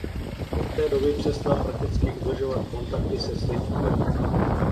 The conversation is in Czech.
Od té doby přestal prakticky udržovat kontakty se svým okolím.